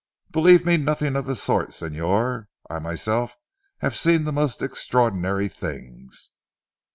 "Believe me nothing of the sort Señor. I myself have seen the most extraordinary things."